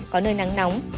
có nơi nắng nóng